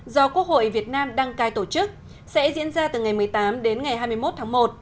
do quốc hội việt nam đăng cai tổ chức sẽ diễn ra từ ngày một mươi tám đến ngày hai mươi một tháng một